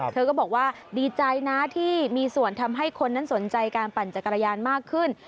เธอก็บอกว่าดีใจนะที่มีส่วนทำให้คนนั้นสนใจการปั่นจักรยานมากขึ้น